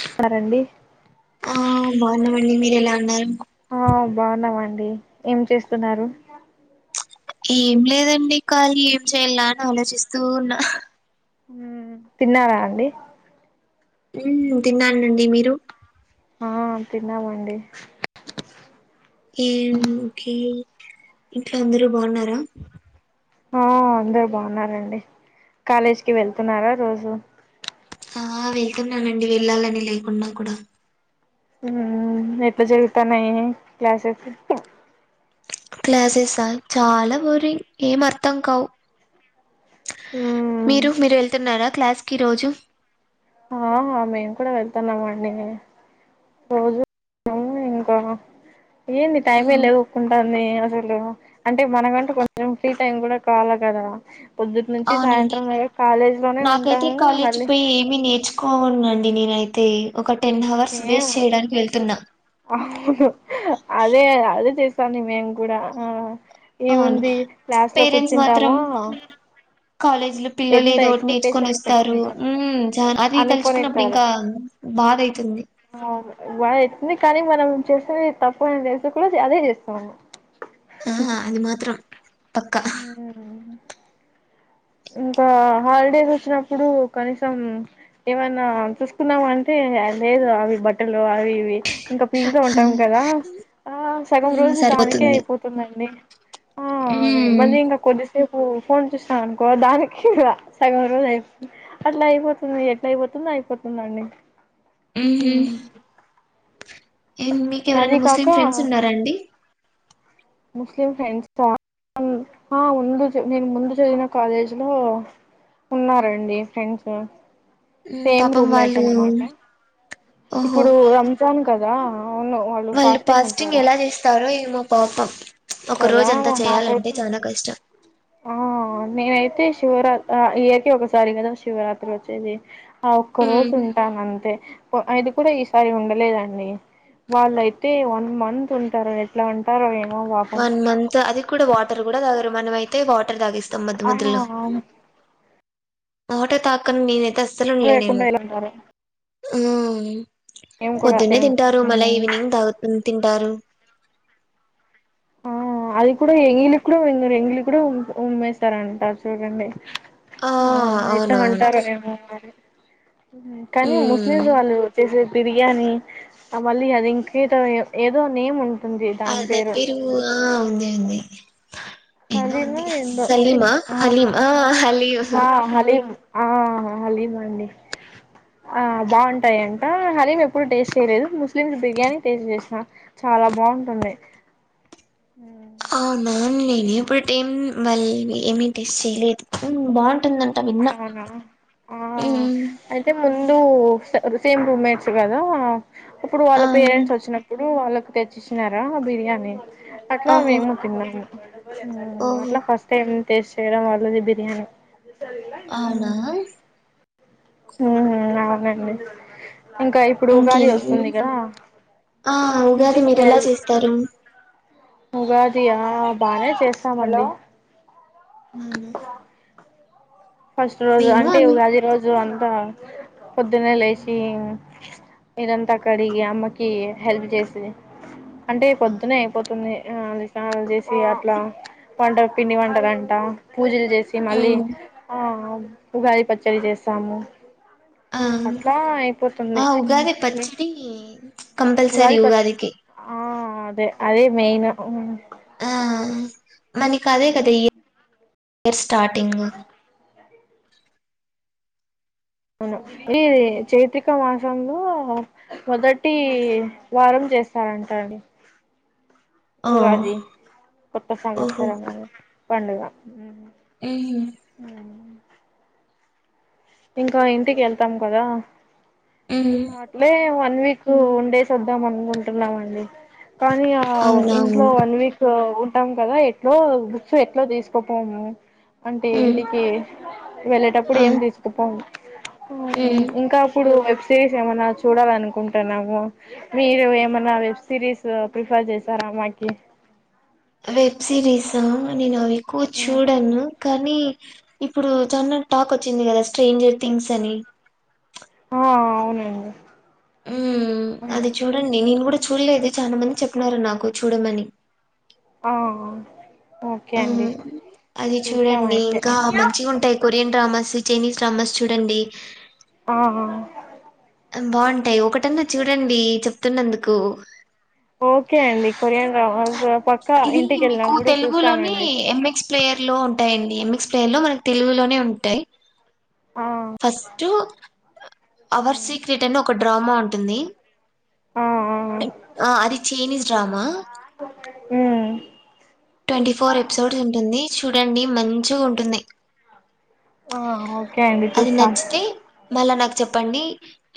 స్తనరండి ఆ బావున్నమండి మీరేలా ఉన్నారు? ఆ బావున్నామండి ఏం చేస్తున్నారు? ఏం లేదండి ఖాళీ ఏం చేయలా అని ఆలోచిస్తూ ఉన్న అహ్ మ్ తిన్నారా అండి? ఉమ్ తిన్నానండి మీరు? ఆ తిన్నామండి ఏంటీ ఇంట్లో అందరూ బావున్నారా? ఆ అందరు బావున్నారండి కాలేజికిి వెళ్తున్నారా రోజు. ఆ వెళ్తున్నానండి వెళ్ళాలని లేకున్నా కూడా ఉహు ఎట్లా జరుగుతాన్నాయి క్లాసెస్ క్లాసెస్స చాలా బోరింగ్ ఏం అర్థం కావు. మీరు మీరు వెళ్తున్నారా క్లాస్ కి రోజు ఆహా మేము కూడా వెళ్తున్నాంమండి రోజు. ఏం కూర ఏంది టైమే మ్మ్, లే ఒక్కుంటాంది అసలు అంటే మనకంటూ కొంచెం ఫ్రీ టైం కూడా కావలి కదా పొద్దుటి నుంచి అవునండి‌. సాయంత్రం కాలేజ్ లోనే నాకైతే ఉంటాము కాలేజీ మళ్ళీ పోయి ఏమి నేర్చుకోవనన్ ది నేనైతే ఒక టెన్ అవర్స్ సేం వేస్ట్ చేయడానికి వెళ్తున్నా అదే అదే చేసా మేము కు కూడా ఆ అవును ఏముంది క్లాస్ లో కూర్చుంటాము. కాలేజీ లో పిల్లలు ఏదో ఒకటి నేర్చుకొని వస్తారు. పెట్టుకుంటారు ఉమ్ చ అది తలుచుకున్నప్పుడు అనుకొనింటారు ఇంకా బాదైతుంది. వాళ్ళు ఎతుంది కానీ మనం చేసింది తప్పు తెలిసి కూడా అదే చేస్తాము. ఆహ అది మాత్రం పక్క ఉహుహు ఇంకా హాలిడేస్ వచ్చినప్పుడు కనీసం ఏవన్నా చూసుకుందమా అంటే అది లేదు అవి బట్టలు అవి ఇవి ఇంకా పీజీతో ఉంటాము కదా ఆ సగం ఉమ్ రోజు దానికే సరిపోతుంది అయిపోతుందండి. ఉమ్ మల్లి ఇంకా కొద్దిస్ రేపు ఫోన్ చూసాం అనుకో దానికి సగం రోజు అయిపోతుంది. అట్లా అయిపోతుంది ఎట్లా అయిపోతుంది తొందర అయిపోతుందండి ఉహుహ్ ఏం మీకు అది ఎవరైనా ముస్లిం కాక ఫ్రెండ్స్ ఉన్నారా అండి? ముస్లిం ఫ్రెండ్స్స ఆన్ ఆ ముందు చ నేను ముందు చదివిన కాలేజీలో ఉన్నారండి ఫ్రెండ్స్సు ఉమ్ సేమ్ పాపం రూమ్మెట్ వాళ్ళు అన్నమాట ఆహ ఓహో ఇప్పుడు రంజాన్ క వాళ్ళు పాస్టింగ్ ఎలా చేస్తారో ఏమో పాపం ఒక కదా రోజు అంతా చేయాలంటే నాకైతే చానా కష్టం. ఆ నేనైతే శివరాత్రి అ ఇయరికి ఒకసారి కదా శివరాత్రి వచ్చేది. ఆ ఒక్క ఉమ్ రోజు ఉంటాను అంతే పొ అది కూడా ఈసారి ఉండలేదండి. వాళ్ళయితే వన్ మంత్ ఉంటారు ఎట్లా ఉంటారో ఏమో పాపం వన్ మంత్ అది కూడా వాటర్ కూడా తాగరు మనమయితే వాటర్ తగేస్త ఆహా అవును వాటర్ తాకన్ నేనైతే అస్ లేకుండైనా ఉన్నారు ఉ పొద్దున్నే సేమ్ తింటారు మళ్ళా ఈవినింగ్ తాగ్ తింటారు. ఆ అది కూడా ఎంగిలి కూడా వుమ్ ఎంగిలి కూడా ఉమ్మేస్తారంటా చూడండి. ఆ ఎట్లా అవునవును ఉంటారు ఎమో మరి కానీ ఉమ్ ముస్లిమ్స్ వాళ్ళు వచ్చేసేసి బిర్యానీ మళ్ళీ అది ఇంకేదో ఏదో నేమ్ ఉన్ ఆ దెబ్బి వూరుగా ఆ ఉంది ఉన్నింది ఎదో హలీమో ఉంది ఏందో సలీమా హలీమా హలీమ్ ఆ హలీం ఆ హలీమ్ అండి ఆ బావుంటాయి అంట హలీం ఎప్పుడు టేస్ట్ చేయలేదు‌. ముస్లిమ్స్ బిర్యానీ టేస్ట్ చేసిన చ చాలా బాగుంటుంది అవునా నేను ఎప్పుడు ఎప్పుటిమ్ వాళ్ళవి ఏమ్ టేస్ట్ చేయలేదు ఉ బాగుంట్ అవునా ఆ ఉమ్ అయితే ముందు స సేమ్ రూమ్ మేట్స్ కదా అప్పుడు ఆ వాళ్ళ పేరెంట్స్ వచ్చినప్పుడు వాళ్ళ తెచ్చినరా బిర్యానీ అట్లా ఓహో మేము తిన్నాము. ఓహో అట్ల ఫస్ట్ టైమ్ ఏం టేస్ట్ చేయడం వల్లది బిర్యానీ అవునా ఉ హు అవునండి ఇంకా ఇప్పుడు ఉగాది ఇంకేమి వస్తుంది కదా. ఆ ఉగాది ఇంటికి మీరు ఎలా వెల్ చేస్తారు ఉగాది యా బానే చేస్తామండి అవునా హ ఫస్ట్ రోజు మేము అంటే అన్ ఉగాది రోజు అంతా పొద్దున్నే లేచి ఉమ్ ఇంగ్ ఇల్లంతా కడిగి అమ్మకి హెల్ప్ చేస్తది అంటే ఆ పొద్దునే అయిపోతుంది. ఉ స్నానం చేసి అట్లా వంట పిండి వంటలంట పూజలు చేసి మళ్ళీ హ్మ్. ఆ ఉగాది పచ్చడి చేస్తాము. ఆ అట్లా అయిపోతుంది ఆ ఉగాది పచ్చిడి కంపల్సరి ఉగాది పచ్చ ఉగాదిికి ఆ అదే అదే మెయిను ఆ మనకి అదే కదా ఇయ ఇయర్ స్టార్టింగు అవును ఈది చైత్రక మాస సంలో మొదటి వారం చేస్తారంటరు ఓ ఉగాది కొత్త ఓహో ఉహు సంవత్సరం పండుగ ఉ ఇంకా ఇంటికి వెళ్తాం కదా ఉమ్ అట్లే వన్ వీక్ ఉండేస్ వద్దాం అనుకుంటున్నామండి. కానీ ఆ అవునవును ఇంట్లో వన్ వీకు ఉంటాము కదా ఎట్లో బుక్సు ఎట్లో తీసుకోపోము అంటే ఉమ్ ఇంటికి వెళ్ళేటప్పుడు ఆ ఏం తీస్కు పో ఉమ్ ఇంకా అప్పుడు వెబ్స్ సిరీస్ ఏమన్నా చూడాలనుకుంటున్నాము, మీరు ఏమన్నా వెబ్ సిరీస్ ప్రిఫర్ చేస్తారా. మాకి వెబ్ సిరీసా నేను అవి ఎక్కువ చూడాను కానీ ఇప్పుడు చానా టాక్ వచ్చింది కదా స్ట్రేంజర్ థింగ్స్ అని ఆ అవునండి ఉ అది చూడండి నేను కూడ చూడలేదు చాలా మంది చెప్పన్నారు నాకు చూడమని ఆ ఓకే ఉ అండి ఆ అది చూస్తాం చూడండి అయితే ఇంకా మంచిగా ఉంటాయ్ కొరియన్ డ్రమాస్ చేైనిస్ డ్రామాస్ చూడండి ఆ ఆ బాగుంటాయి ఒకటన్నా చూడండి చెప్తున్నందుకు ఓకే అండి కొరియాన్ డ్రా ఇది మీకు తెలుగులోని ఎంఎక్స్ ప్లేయర్ లో ఉంటాయండి ఎ ఎక్స్ప్లెయిన్ లో మనకు తెలుగులోనే ఉంటాయి ఆ ఫస్ట్ అవర్ సీక్రెట్ అని ఒక డ్రామా ఉంటుంది ఆ ఆ అది చైైనీస్ డ్రామా హ ట్వంటీ ఫోర్ ఎపిసోడ్స్ ఉంటుంది చూడండి మంచిగా ఉంటుంది ఆ ఓకే అండి అది చూస్తాం నచ్చితే మళ్ళా నా చెప్పండి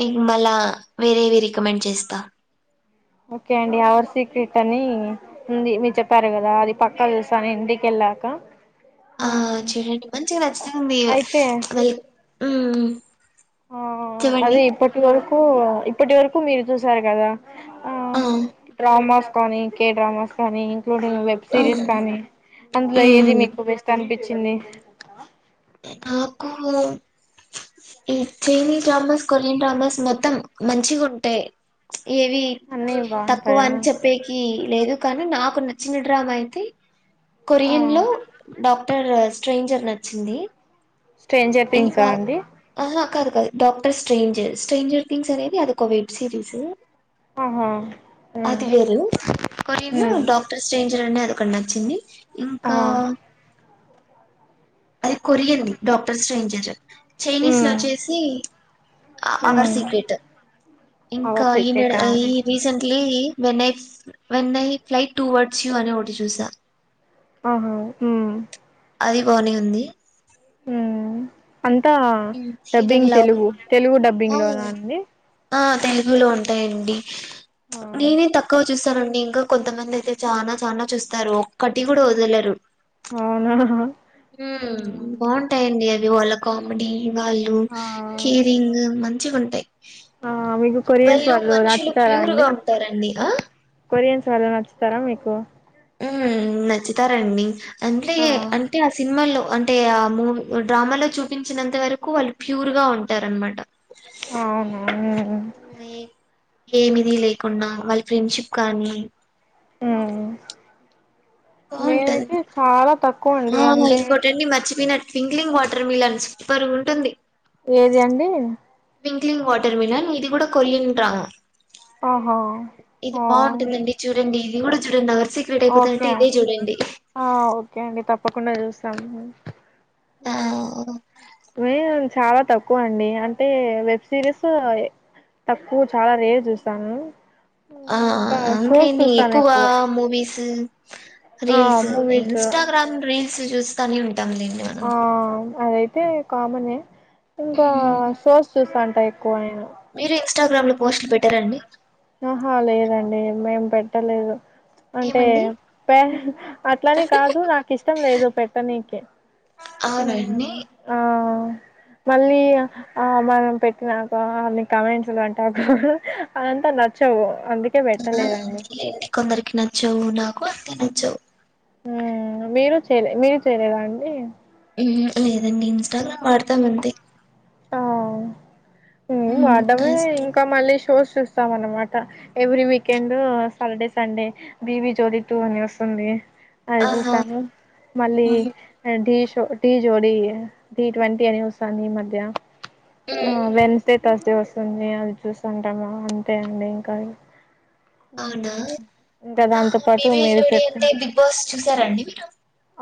నేకు మళ్ళా వేరేవి రికమెండ్ చేస్తా ఓకే అండి అవర్ సీక్రెట్ అని ఉంది మీరు చెప్పారు కదా అది పక్క చూస్తా ఇంటికిళ్ళ లక ఆ చూడండి మంచిగా నచ్చుతుంది అయితే లైక్ హామ్ ఆ అదే ఇప్పటి వరకు ఇప్పటి వరకు మీరు చూసారు కదా ఆ డ్రామాస్ కానీ కే డ్రామాస్ కానీ ఇంలూడింగ్ వెబ్ ఆ! సిరీస్ కానీ అందులో ఏది హ్మ్. మీకు బస్ట్ అనిపించింది నాకు ఈ చైనీస్ డ్రామాస్ కొరియన్ డ్రామాస్ మొత్తం మంచిగా ఉంటాయి ఏవి అన్నీ తక్కువ బాగుంటాయా అని చెప్పేకి లేదు కానీ నాకు నచ్చిన డ్రామా అయితే ఆ కొరియన్ లో డాక్టర్ స్ట్రేంజర్ నచ్చింది స్ట్రేంజర్ థింగ్సా ఇంకా అండి అహా! కాదు డాక్టర్ స్ట్రేంజర్ స్ట్రేంజర్ థింగ్స్ అనేది అది ఒక వెబ్ సిరీస్ ఆహా ఉమ్ అది వేరు కొరియన్ లో ఉమ్ డాక్టర్ స్ట్రేంజర్ అనే అ ఒకటి నచ్చింది ఆ ఇంకా అది కొరియన్ది డాక్టర్స్ స్ట్రేంజర్ చైనీస్ లో ఉమ్ వచ్చేసి అ అవర్ ఉమ్ సీక్రెట్ ఇంకా అవర్ ఈ నెడు సీక్రెటా ఈ recently వెన్నై వెన్నై flight towards you అని ఒటి చూసా ఆహా ఉ అది బానే ఉంది ఉ అంతా heat dubbing and love Telugu Telugu డబ్బి డబ్బింగ్ లో నా అండి ఆ తెలుగులో ఉంటాయండి ఆ నేనే తక్కువ చూస్త స్తారండి ఇంకా కొంతమంది అయితే చానా చానా చూస్తారు ఒక్కటి కూడా వదలరు అవునా ఉ ఉమ్ బాగుంటాయండి అవి వాళ్ళ కామెడీ వాళ్ళు ఆ కేరింగ్ మంచిగ ఉంటాయి ఆ మీకు కొరియన్స్ వాళ్ళు మనుషులు నచ్చుతారా ప్యూర్ అండి గా ఉంటారండి ఆ కొరియన్స్ వాళ్ళు నచ్చుతారా మీకు ఉ నచ్చుతారండి అంట్లే ఆ అంటే ఆ సినిమాలో అంటే ఆ మూవీ డ్రామాలో చూపించినంత వరకు వాళ్ళు ప్యూర్ గా ఉంటారన్నమాట అవును ఉ ఏమీ ఏమిది లేకుండా వాళ్ళ ఫ్రెండ్షిప్ కానీ ఉ బావుంటది. నేనైతే చాలా తక్ ఆ ఇంకోటండి మర్చిపోయిన స్వింక్లింగ్ వాటర్ మిలన్స్ సూపర్ గా ఉంటుంది ఏది అండి స్వింగ్లింగ్ వాటర్ మలన్ ఇది కూడా కొరియన్ డ్రామా ఆహా ఇది ఆ బాగుంటుందండి చూడండి ఇది కూడా చూడండి అ ఓకే ఆ ఓకే అండి తప్పకుండా చూస్త తను ఉ ఆ! మీరే చాలా తక్కువ అండి అంటే వెబ్ సిరీస్ తక్కువ చాలా రేర్ చూస్తాను ఆ ఇంకా అవును షోస్ లేండి చూస్తాను ఎక్కువ గా మూవీస్ ఆ రీల్స్ మూవీస్ ఇన్స్టాగ్రామ్ రీల్స్ చూస్తానే ఉంటాము లేండి మనం ఆ అదైతే కామన్ ఇంకా మ్మ్. షోస్ చూస్తాంటా ఎక్కువ నేను మీరు ఇంస్టాగ్రామ్ లో పోస్టులు పెట్టరా అండి ఆహా లేదండి మేం పెట్టలేదు అంటే ఏమండి పేర్ అట్లనీ కాదు నాకు ఇష్టం లేదు పెట్టడానికి ఉ అవునండి ఆ మళ్ళీ ఆ ఆ మనం పెట్టినాక అ కామెంట్స్లు అంటా అదంతా నచ్చవు అందుకే ఆ పెట్టలేదండి అట్లే కొందరికి నచ్చవు నాకు అంతే నచ్చవు ఉ మీరు చేయలే మీరు చేయలేదా అండి ఉ లేదండి ఇన్స్టాగ్రామ్ వాడతాం అంతే ఆ ఉ మ్మ్ వాడడమే అస్ట్- ఇంకా మళ్ళీ షోస్ చూస్తాం అనమాట ఎవ్రీ వీకెండ్ సాటర్డే సండే బిబ జోలి టూ అని వస్తుంది అది జూస ఆహా మళ్ళీ మ్మ్ ఢష్ ఢి జోడీ టీ ట్వంటీ అని వస్తుాంది ఈ మధ్య వెన్స్డే థర్స్డే వస్తుంది అది చూస్తుంటామా అంతే అండి ఇంకా అవునా ఇంకా దాంతో పాటు బివ మీరు జోడ చెప్పిన అంటే బిగ్ బాస్ చూసారంండి మీరు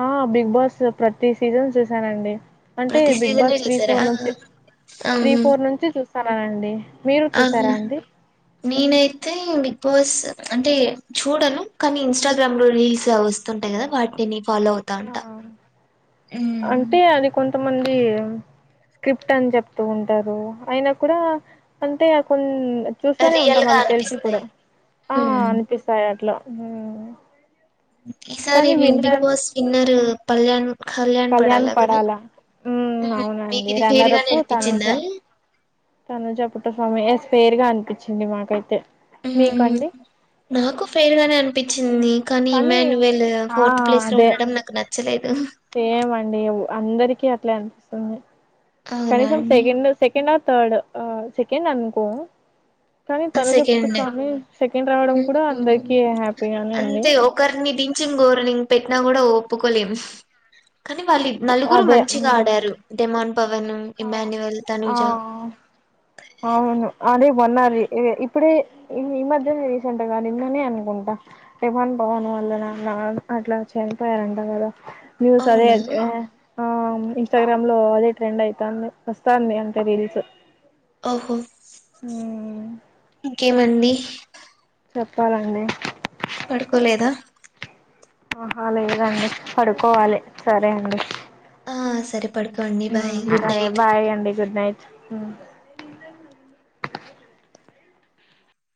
ఆ బిగ్ బాస్ ప్రతి సీజన్ చూసానండి అంటే ప్రతి బిగ్ సీజన్ బాస్ త్రీ చూసారా ఫోర్ ఆహా నుంచి త్రీ ఆహా ఫోర్ నుంచి చూస్త స్తలానండి మీరు చూసారా ఆహా. అండి నేనైతే బిగ్ బాస్ అంటే చూడను కానీ ఇన్స్టాగ్రామ్ లో రీల్స్ వస్తు ఉంటాయి కదా వాటిని ఫాలో అవుతా ఉంటా ఆ! త మంది స్క్రిప్ట్ అని చెప్తూ ఉంటారు అయినా కూడా అంటే కొం చూస్తానే రియల్ ఉంటాం గా అళీ తెలిసి ఇప్పుడు అనిపిస్తాయి ఆ ఉమ్. అనిపిస్తాయి అట్లా ఈసారి కానీ వి big winner boss winner Kalyan Kalyan పడాలా కదా ఉమ్ మీకు అవునండి ఇది ఫేరుగా ననిపించిందా తను చప్పుట స్వామి ఎస్ పేర్ గా అనిపించింది మాకైతే మీకండి నాకు ఫయిర్గానే అను ది కానీ ఇమాన్యువల్ ఫోర్త్ ప్లేస్ లో ఉండడం నాకు నచ్చలేదు ఏమ అండి అందరికీ అట్లే అనిపిస్తుంది అవునా కనీసం అండి సకం సెకండ్ తర్డ్ సెకండ్ అనుకో కానీ తనజపుత సెకండ్ స్వామి సెకండ్ రావడం కూడా అందరికి హ్యాపీగానే ఉంది గోరని పెట్టి కూడా ఒప్పుకోలేం కానీ వాళ్ళు నలుగురు అదే మంచిగా ఆడారు డెమాన్ పవన్ ఇమాన్యువల్ ఆ తనుజ అవును అదే మన్నార ఇప్పుడే ఇ ఈ మధ్య రీసెంట్ గా నిందని అనుకుంటా రవాన్ పవన్ వల్ల నాన్న అట్లా చనిపోయ న్యూస్ అదే అవునా ఇన్స్టాగ్రామ్ లో అదే ట్రెండ్ అయి వ వస్తాంది అంటే రీల్స్ ఓహో ఉమ్ ఇంకేమండి చెప్పాలండి పడుకోలేదా ఆహా లేదండి పడుకోవాలి సరే అండి ఆ సరే పడుకోండి బాయ్ గుడ్ సరే నైట్ బాయ్ అండి గుడ్ నైట్